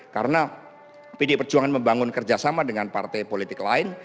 karena pilih perjuangan membangun kerjasama dengan partai politik lain